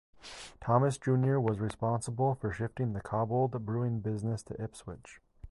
Thomas junior was responsible for shifting the Cobbold brewing business to Ipswich.